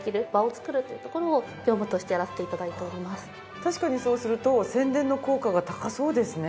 同じように確かにそうすると宣伝の効果が高そうですね。